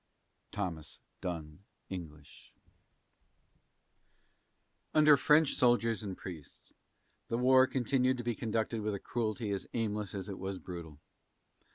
THOMAS DUNN ENGLISH. Under French officers and priests, the war continued to be conducted with a cruelty as aimless as it was brutal.